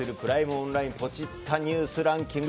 オンラインポチッたニュースランキング